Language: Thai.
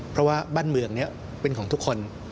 เพราะว่าบ้านเมืองนี้เป็นของทุกคน